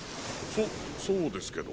そそうですけど。